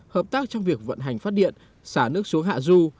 hợp tác trong việc vận hành phát điện xả nước xuống hạ du